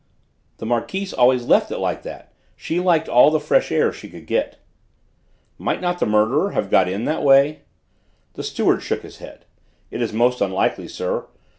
"The Marquise always left it like that; she liked all the fresh air she could get." "Might not the murderer have got in that way?" The steward shook his head. "It is most unlikely, sir.